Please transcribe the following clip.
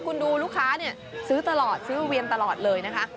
คุณดูลูกค้าเนี่ยซื้อตลอดซื้อเวียนตลอดเลยนะคะ